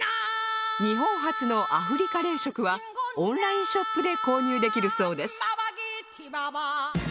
日本初のアフリカ冷食はオンラインショップで購入できるそうです